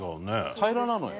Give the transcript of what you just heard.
平らなのよ。